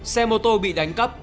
xe mô tô bị đánh cắp